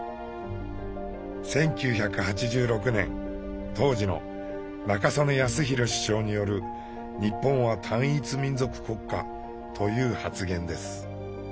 １９８６年当時の中曽根康弘首相による「日本は単一民族国家」という発言です。